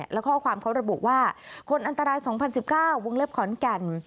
และข้อความเขาระบุว่าคนอันตราย๒๐๑๙วงเล็บขอนแก่น